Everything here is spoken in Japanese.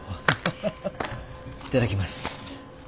いただきます。